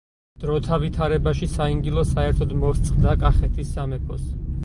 დროთა ვითარებაში საინგილო საერთოდ მოსწყდა კახეთის სამეფოს.